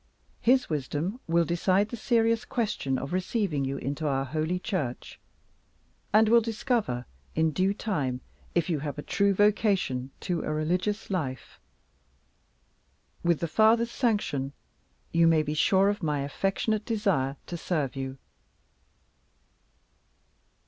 His wisdom will decide the serious question of receiving you into our Holy Church, and will discover, in due time, if you have a true vocation to a religious life. With the Father's sanction, you may be sure of my affectionate desire to serve you."